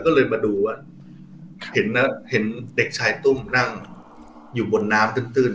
ก็เลยมาดูอ่ะเห็นนะเห็นเด็กชายตุ้มนั่งอยู่บนน้ำตื่นตื่น